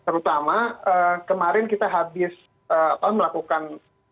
terutama kemarin kita habis melakukan